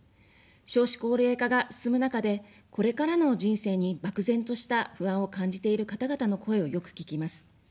少子高齢化が進む中で、これからの人生に漠然とした不安を感じている方々の声をよく聞きます。